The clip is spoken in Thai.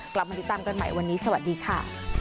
กลับมาติดตามกันใหม่วันนี้สวัสดีค่ะ